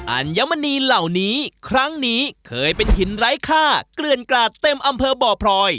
อัญมณีเหล่านี้ครั้งนี้เคยเป็นหินไร้ค่าเกลื่อนกราดเต็มอำเภอบ่อพลอย